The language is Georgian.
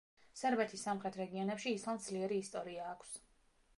სერბეთის სამხრეთ რეგიონებში ისლამს ძლიერი ისტორია აქვს.